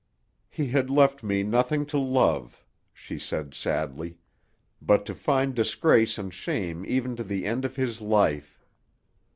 "He had left me nothing to love," she said sadly; "but to find disgrace and shame even to the end of his life!